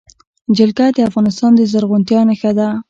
جلګه د افغانستان د زرغونتیا نښه ده.